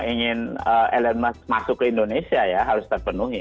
ingin elon musk masuk ke indonesia ya harus terpenuhi